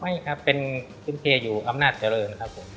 ไม่ครับเป็นมีคุณเขตอยู่อำนาจเตือนทเลอร์ครับผม